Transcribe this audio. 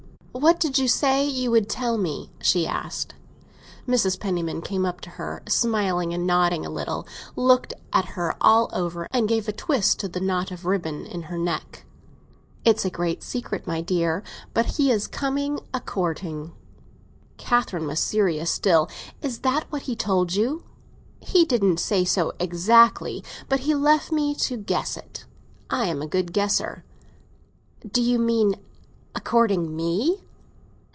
"What did you say you would tell me?" she asked. Mrs. Penniman came up to her, smiling and nodding a little, looked at her all over, and gave a twist to the knot of ribbon in her neck. "It's a great secret, my dear child; but he is coming a courting!" Catherine was serious still. "Is that what he told you!" "He didn't say so exactly. But he left me to guess it. I'm a good guesser." "Do you mean a courting me?"